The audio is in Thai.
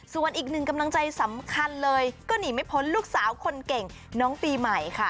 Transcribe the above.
ส่วนอีกหนึ่งกำลังใจสำคัญเลยก็หนีไม่พ้นลูกสาวคนเก่งน้องปีใหม่ค่ะ